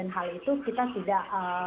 hal itu kita tidak